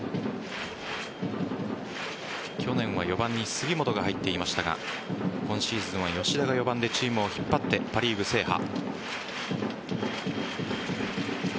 去年は４番に杉本が入っていましたが今シーズンは吉田が４番でチームを引っ張ってパ・リーグ制覇。